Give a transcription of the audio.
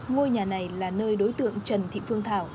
ngôi nhà này là nơi đối tượng trần thị phương thảo